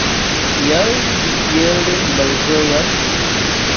Kial vi tiel malĝojas?